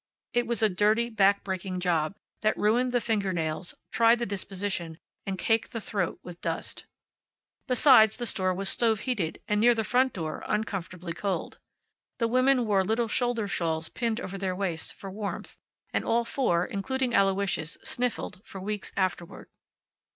It was a dirty, back breaking job, that ruined the finger nails, tried the disposition, and caked the throat with dust. Besides, the store was stove heated and, near the front door, uncomfortably cold. The women wore little shoulder shawls pinned over their waists, for warmth, and all four, including Aloysius, sniffled for weeks afterward.